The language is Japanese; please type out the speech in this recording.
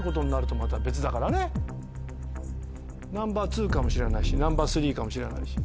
ナンバー２かもしれないしナンバー３かもしれないし。